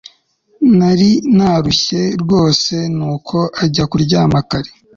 Nari narushye rwose nuko njya kuryama kare